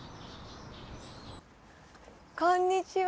こんにちは。